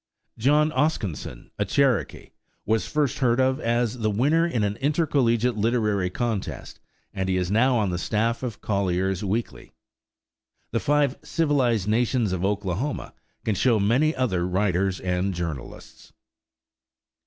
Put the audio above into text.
John Oskinson, a Cherokee, was first heard of as the winner in an intercollegiate literary contest, and he is now on the staff of Collier's Weekly. The Five Civilized Nations of Oklahoma can show many other writers and journalists.